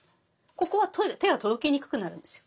ここは手が届きにくくなるんですよ。